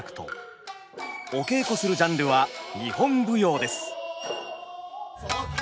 お稽古するジャンルは日本舞踊です。